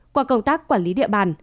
qua công tác quản lý địa bàn